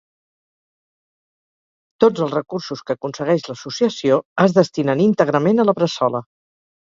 Tots els recursos que aconsegueix l'Associació es destinen íntegrament a la Bressola.